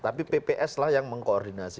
tapi pps lah yang mengkoordinasi